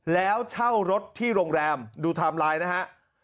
แล้วเช่ารถที่โรงแรมดูไทม์ไลน์นะฮะ